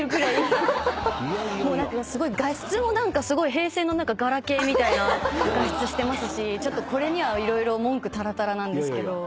平成のガラケーみたいな画質してますしちょっとこれには色々文句たらたらなんですけど。